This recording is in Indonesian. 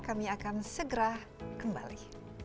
kami akan segera kembali